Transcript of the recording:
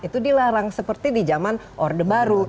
itu dilarang seperti di zaman orde baru